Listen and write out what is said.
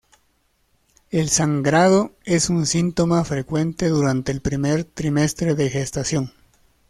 El sangrado es un síntoma frecuente durante el primer trimestre de gestación.